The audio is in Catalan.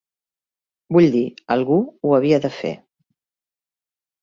Vull dir, algú ho havia de fer.